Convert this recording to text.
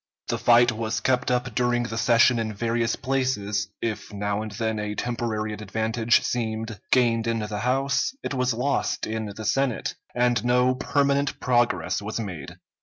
The fight was kept up during the session in various places; if now and then a temporary advantage seemed gained in the House, it was lost in the Senate, and no permanent progress was made.